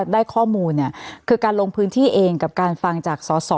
ได้ข้อมูลคือการลงพื้นที่เองกับการฟังจากสอสอ